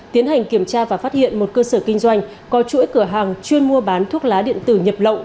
tiến hành kiểm tra và phát hiện một cơ sở kinh doanh có chuỗi cửa hàng chuyên mua bán thuốc lá điện tử nhập lộng